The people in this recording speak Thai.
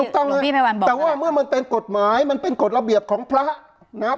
แต่ว่าเมื่อมันเป็นกฎหมายมันเป็นกฎระเบียบของพระนะครับ